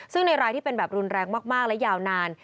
ซึ่งในรายที่เป็นแบบรุนแรงมากและยาวนาน